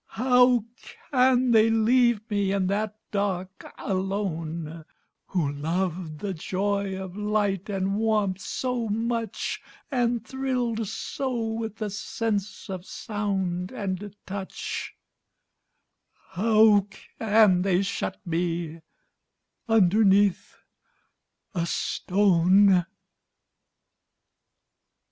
How can they leave me in that dark alone, Who loved the joy of light and warmth so much, And thrilled so with the sense of sound and touch, How can they shut me underneath a stone?